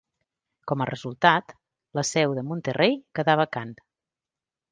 Com a resultat, la seu de Monterrey quedà vacant.